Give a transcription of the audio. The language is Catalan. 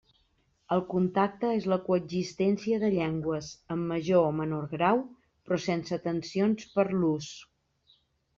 El contacte és la coexistència de llengües, en major o menor grau, però sense tensions per l'ús.